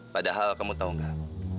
padahal kamu tau gak